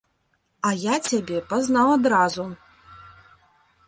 А я цябе пазнаў адразу.